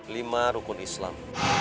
lima rukun islam